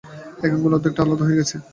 এক আঙুলের অর্ধেকটা আলাদা হয়ে গেছে।